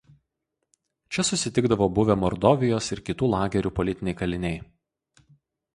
Čia susitikdavo buvę Mordovijos ir kitų lagerių politiniai kaliniai.